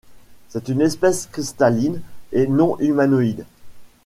C'est une espèce cristalline et non-humanoïde.